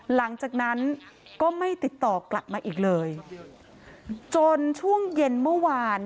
หลังจากนั้นก็ไม่ติดต่อกลับมาอีกเลยจนช่วงเย็นเมื่อวาน